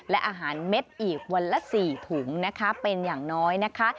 และอาหารเม็ดอีกวันละ๔ถุงนะคะเป็นอย่างน้อยนะคะ